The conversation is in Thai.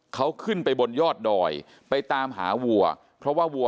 เขาขึ้นไปบนยอดดอยไปตามหาวัว